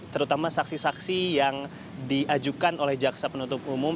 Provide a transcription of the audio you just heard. terutama saksi saksi yang diajukan oleh jaksa penuntut umum